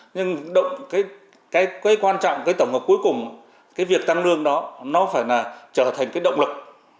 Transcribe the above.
nhưng cái quan trọng cái tổng hợp cuối cùng cái việc tăng lương đó nó phải là trở thành cái động lực